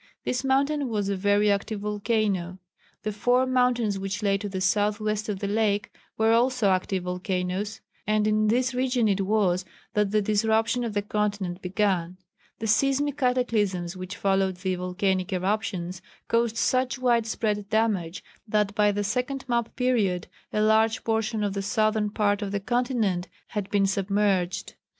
This mountain was a very active volcano. The four mountains which lay to the south west of the lake were also active volcanoes, and in this region it was that the disruption of the continent began. The seismic cataclysms which followed the volcanic eruptions caused such wide spread damage that by the second map period a large portion of the southern part of the continent had been submerged.